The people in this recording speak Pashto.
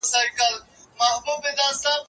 هغه وويل چي زه درس لولم!.